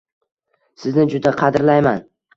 Sizni juda qadrlayman.